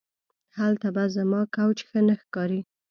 هلته به زما کوچ ښه نه ښکاري